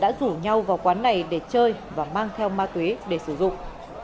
các đối tượng khai nhận đã rủ nhau vào quán này để chơi và mang theo ma túy để sử dụng